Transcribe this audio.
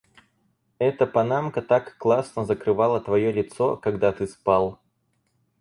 Эта панамка так классно закрывала твоё лицо, когда ты спал.